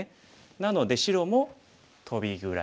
なので白もトビぐらい。